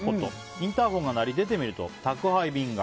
インターホンが鳴り、出てみると宅配便が。